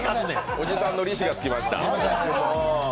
おじさんの利子がつきました。